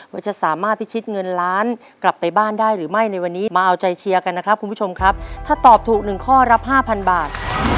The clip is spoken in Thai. ว่าจะสามารถพิชิตเงินล้านกลับไปบ้านได้หรือไม่ในวันนี้มาเอาใจเชียร์กันนะครับคุณผู้ชมครับถ้าตอบถูกหนึ่งข้อรับ๕๐๐บาท